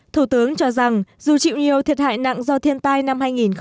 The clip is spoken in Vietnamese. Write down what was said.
thủ tướng cho rằng dù chịu nhiều thiệt hại nặng do thiên tai năm hai nghìn một mươi tám